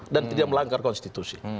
dan tidak melanggar konstitusi